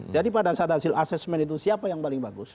jadi pada saat hasil assessment itu siapa yang paling bagus